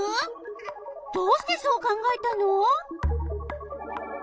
どうしてそう考えたの？